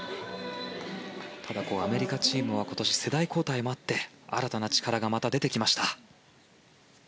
ただ、アメリカチームは今年、世代交代もあって新たな力がまた出てきました。